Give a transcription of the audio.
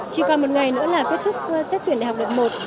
chỉ còn một ngày nữa là kết thúc xét tuyển đại học đợt một